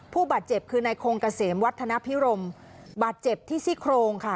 ผู้บาดเจ็บคือนายคงเกษมวัฒนภิรมบาดเจ็บที่ซี่โครงค่ะ